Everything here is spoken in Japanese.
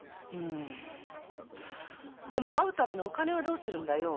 でも会うためのお金はどうするんだよ？